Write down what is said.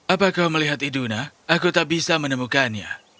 apa kau melihat iduna aku tak bisa menemukannya